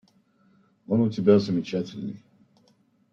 Он у тебя замечательный.